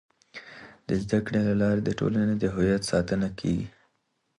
د زده کړې له لارې د ټولنې د هویت ساتنه کيږي.